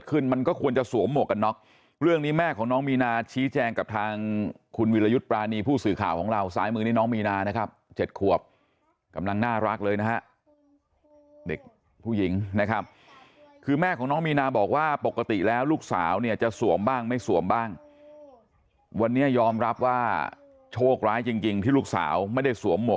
มันก็ควรจะสวมหมวกกันน็อกเรื่องนี้แม่ของน้องมีนาชี้แจงกับทางคุณวิรยุทธ์ปรานีผู้สื่อข่าวของเราซ้ายมือนี่น้องมีนานะครับ๗ขวบกำลังน่ารักเลยนะฮะเด็กผู้หญิงนะครับคือแม่ของน้องมีนาบอกว่าปกติแล้วลูกสาวเนี่ยจะสวมบ้างไม่สวมบ้างวันนี้ยอมรับว่าโชคร้ายจริงจริงที่ลูกสาวไม่ได้สวมหวก